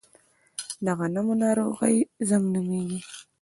د غنمو ناروغي زنګ نومیږي.